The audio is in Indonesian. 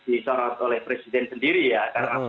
disorot oleh presiden sendiri ya karena